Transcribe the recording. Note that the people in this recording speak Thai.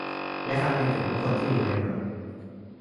และคำนึงถึงทุกคนที่อยู่ในเมือง